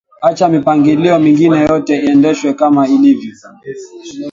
acha mipangilio mingine yote iendeshwe kama ilivyo